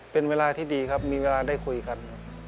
เป็นเวลาที่ดีครับมีเวลาได้คุยกัน